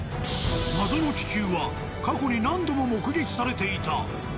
謎の気球は過去に何度も目撃されていた。